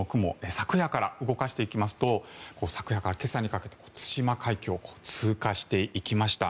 昨夜から動かしていきますと昨夜から今朝にかけて対馬海峡を通過していきました。